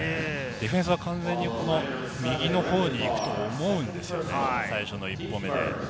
ディフェンスが完全に右のほうに行くと思うんですよね、最初の一歩目で。